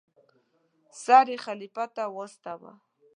سر یې خلیفه ته واستاوه.